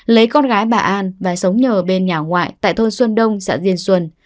lấy con gái bà an và sống nhờ bên nhà ngoại tại thôn xuân đông xã diên xuân